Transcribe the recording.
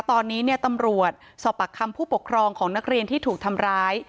ตอนนี้ตำรวจสอบปากคำผู้ปกครองของนักเรียนที่ถูกทำร้าย